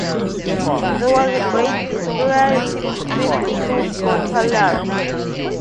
There was a great disparity between the two flotillas.